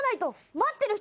待ってる人？